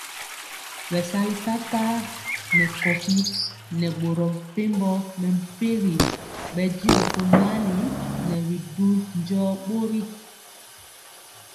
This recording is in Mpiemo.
Bɛsali kakar nɛ kowi nɛ boro mepempɔ mɛmpegi bɛndiɔ tomali nɛ bi du jɔɔ bori.